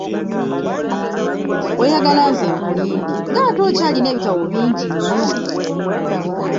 Oyagala nze nkulinde nga ate okyalina ebitabo bingi nnyo?